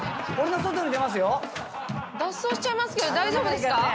脱走しちゃいますけど大丈夫ですか？